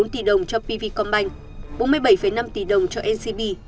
bốn mươi chín bốn tỷ đồng cho pv combank bốn mươi bảy năm tỷ đồng cho ncb